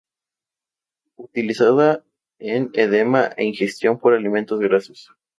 Utilizada en edema e indigestión por alimentos grasos.